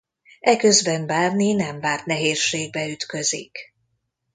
Eközben Barney nem várt nehézségbe ütközik.